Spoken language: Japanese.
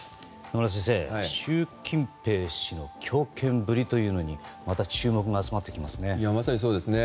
野村先生、習近平氏の強権ぶりというのにもまた注目が集まってきますね。